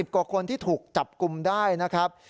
กว่าคนที่ถูกจับกลุ่มได้นะครับ